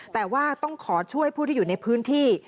แต่ว่าต้องขอช่วยผู้ที่อยู่ในพื้นที่